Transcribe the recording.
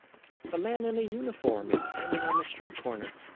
A man in a uniform is standing on the street corner